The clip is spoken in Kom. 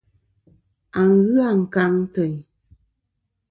A ghɨ ankaŋ teyn.